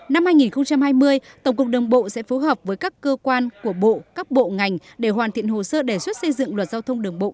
năm hai nghìn hai mươi tổng cục đường bộ sẽ phối hợp với các cơ quan của bộ các bộ ngành để hoàn thiện hồ sơ đề xuất xây dựng luật giao thông đường bộ